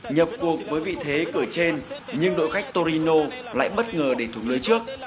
nhập cuộc với vị thế cởi trên nhưng đội khách torino lại bất ngờ để thủng lưới trận